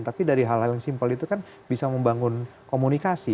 tapi dari hal hal yang simpel itu kan bisa membangun komunikasi